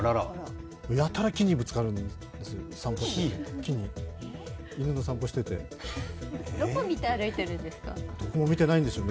やたら木にぶつかるんですよ、どこ見て歩いてるんですか？